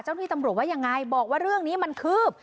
ที่ตำรวจว่ายังไงบอกว่าเรื่องนี้มันคืบ